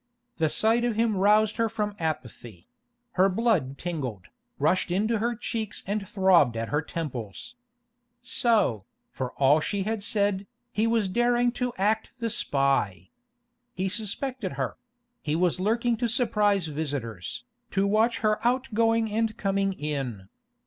The sight of him roused her from apathy; her blood tingled, rushed into her cheeks and throbbed at her temples. So, for all she had said, he was daring to act the spy! He suspected her; he was lurking to surprise visitors, to watch her outgoing and coming in.